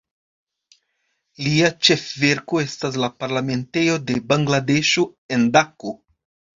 Lia ĉefverko estas la parlamentejo de Bangladeŝo, en Dako.